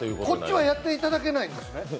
こっちはやっていただけないんですね？